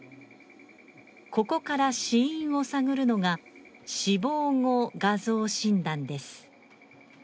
ここから死因を探るのが、死亡後画像診断です。